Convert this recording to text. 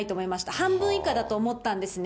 半分以下だと思ったんですね。